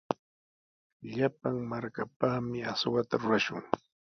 Llapan markapaqmi aswata rurashun.